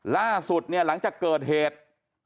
ล่าสุดเนี่ยหลังจากเกิดเหตุ